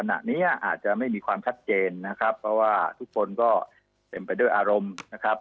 ขณะนี้อาจจะไม่มีความชัดเจนนะครับเพราะว่าทุกคนก็เต็มไปด้วยอารมณ์นะครับ